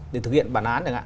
để thực hiện bản án